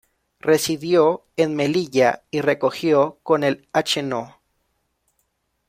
Residió en Melilla y recogió con el Hno.